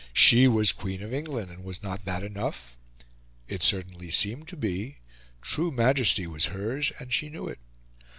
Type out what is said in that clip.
She was Queen of England, and was not that enough? It certainly seemed to be; true majesty was hers, and she knew it.